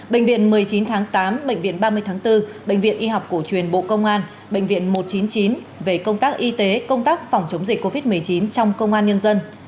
bệnh viện một mươi chín tháng tám bệnh viện ba mươi tháng bốn bệnh viện y học cổ truyền bộ công an bệnh viện một trăm chín mươi chín về công tác y tế công tác phòng chống dịch covid một mươi chín trong công an nhân dân